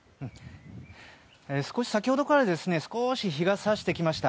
先ほどから少し日が差してきました。